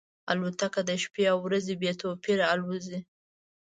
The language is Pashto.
الوتکه د شپې او ورځې بې توپیره الوزي.